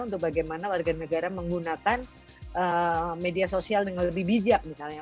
untuk bagaimana warga negara menggunakan media sosial dengan lebih bijak misalnya